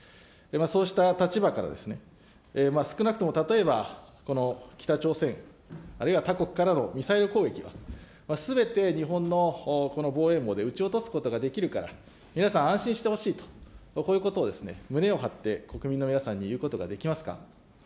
そうした立場から、少なくとも例えば、北朝鮮、あるいは他国からのミサイル攻撃は日本のこの防衛網で撃ち落とすことができるから、皆さん安心してほしいと、こういうことを胸を張って国民の皆さんにいうことができますか。